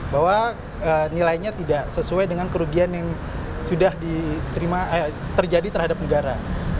bahwa nilainya tidak sesuai dengan kerugian yang sudah terjadi terhadap negara